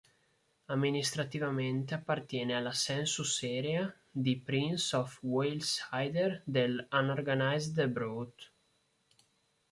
Amministrativamente appartiene alla Census Area di Prince of Wales-Hyder dell'Unorganized Borough.